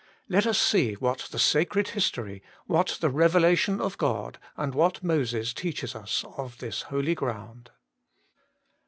Let us see what the sacred history, what the revelation of God, and what Moses teaches us of this holy ground.